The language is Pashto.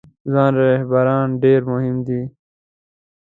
ځوان رهبران ډیر مهم دي